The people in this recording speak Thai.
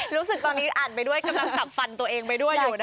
รู้สึกตอนนี้อ่านไปด้วยกำลังสับฟันตัวเองไปด้วยอยู่นะคะ